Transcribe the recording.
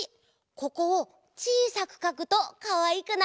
ここをちいさくかくとかわいくなるよ。